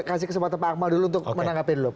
kasih kesempatan pak akmal dulu untuk menanggapi dulu